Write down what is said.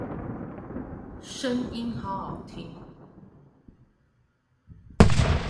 聲音好好聽